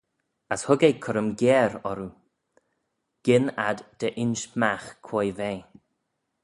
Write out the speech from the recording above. As hug eh currym gyere orroo, gyn ad dy insh magh quoi v'eh.